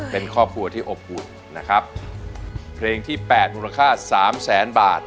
เป็นครอบครัวที่อบอุ่นนะครับเพลงที่แปดมูลค่าสามแสนบาท